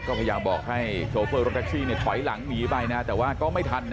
ก็พยายามบอกให้โชเฟอร์รถแท็กซี่ถอยหลังหนีไปนะแต่ว่าก็ไม่ทัน